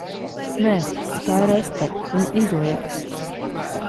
Nē. Tā ir Estere, viņa izliekas.